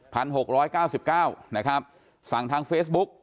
หกร้อยเก้าสิบเก้านะครับสั่งทางเฟซบุ๊ก